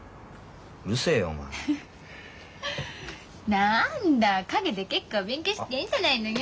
なんだ陰で結構勉強してんじゃないのよ